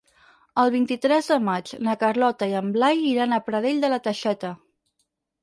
El vint-i-tres de maig na Carlota i en Blai iran a Pradell de la Teixeta.